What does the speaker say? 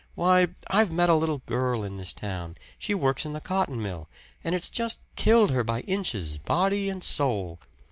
Why, I've met a little girl in this town. She works in the cotton mill, and it's just killed her by inches, body and soul.